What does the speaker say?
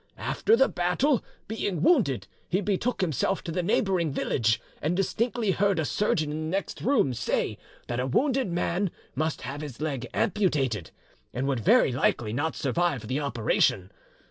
After the battle, being wounded, he betook himself to the neighbouring village, and distinctly heard a surgeon in the next room say that a wounded man must have his leg amputated, and would very likely not survive the operation.